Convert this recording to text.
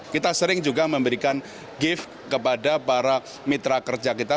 kita sering juga memberikan gift kepada para mitra kerja kita